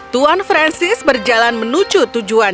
tuan francis berjalan menuju tujuan